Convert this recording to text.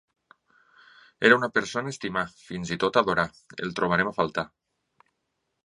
Era una persona estimada, fins i tot adorada… El trobarem a faltar.